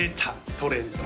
トレンド